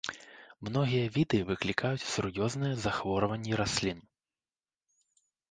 Многія віды выклікаюць сур'ёзныя захворванні раслін.